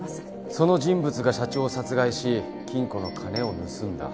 その人物が社長を殺害し金庫の金を盗んだ。